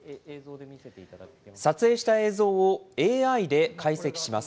撮影した映像をＡＩで解析します。